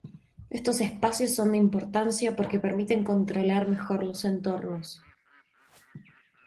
Estos espacios son de importancia porque permiten controlar mejor los entornos.